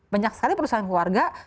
banyak sekali perusahaan keluarga